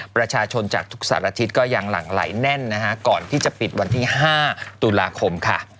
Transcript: ประชาชนจากทุกสารทิศก็ยังหลั่งไหลแน่นนะคะก่อนที่จะปิดวันที่๕ตุลาคมค่ะ